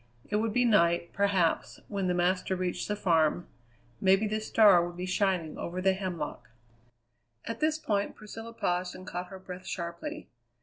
It would be night, perhaps, when the master reached the farm; maybe the star would be shining over the hemlock At this point Priscilla paused and caught her breath sharply.